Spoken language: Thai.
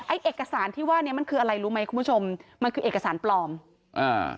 เอกสารที่ว่าเนี้ยมันคืออะไรรู้ไหมคุณผู้ชมมันคือเอกสารปลอมอ่า